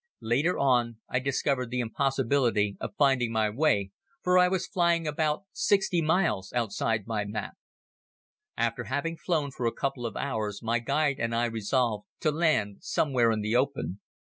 Later on I discovered the impossibility of finding my way for I was flying about sixty miles outside my map. After having flown for a couple of hours my guide and I resolved to land somewhere in the open.